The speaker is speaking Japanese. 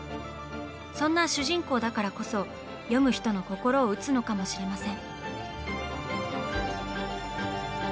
そんな主人公だからこそ読む人の心を打つのかもしれません。